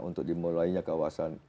untuk dimulainya kawasan